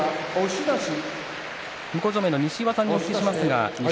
向正面の西岩さんにお聞きします。